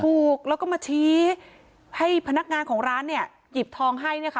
ถูกแล้วก็มาชี้ให้พนักงานของร้านเนี่ยหยิบทองให้เนี่ยค่ะ